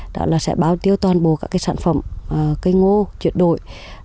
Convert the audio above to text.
đó là sẽ báo tiêu toàn bộ các sản phẩm cây ngô chuyển đổi